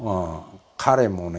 彼もね